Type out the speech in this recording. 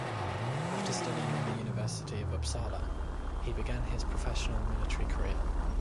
After studying in the University of Uppsala, he began his professional military career.